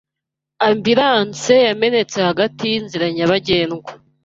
Ambulanse yamenetse hagati yinzira nyabagendwa.